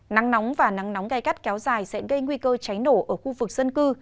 nắng nóng và nắng nóng gai gắt kéo dài sẽ gây nguy cơ cháy nổ ở khu vực dân cư